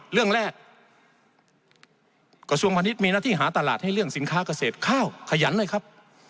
เรื่องแรกกระทรวงพาณิชย์มีหน้าที่หาตลาดให้เรื่องสินค้าเกษตรข้าวขยันเลยครับ